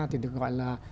thì được gọi là